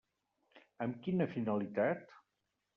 Amb quina finalitat?